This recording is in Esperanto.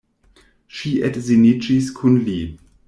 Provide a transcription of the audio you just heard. Ŝi edziniĝis kun li.